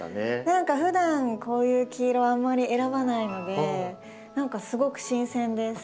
何かふだんこういう黄色をあんまり選ばないので何かすごく新鮮です。